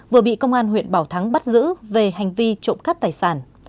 vừa bị công an huyện bảo thắng bắt giữ về hành vi trộm cắp tài sản